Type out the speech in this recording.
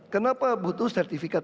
kenapa butuh sertifikat